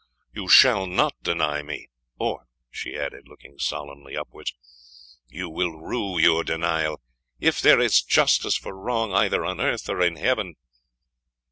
You shall not deny me or," she added, looking solemnly upwards, "you will rue your denial, if there is justice for wrong either on earth or in heaven."